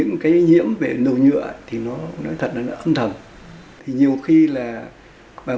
năm này là cái gì cái nhiễm về nâu nhựa thì nó nói thật nên âm thầm thì nhiều khi là vài